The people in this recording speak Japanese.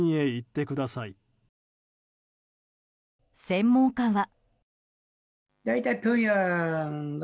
専門家は。